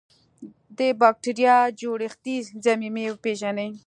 د بکټریا جوړښتي ضمیمې وپیژني.